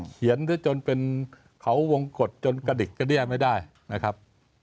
เขียนซะจนเป็นเขาวงกฎจนกระดิกกระเดี้ยไม่ได้นะครับ